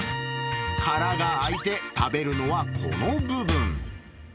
殻が開いて、食べるのはこの部分。